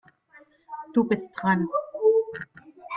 Du bist dran.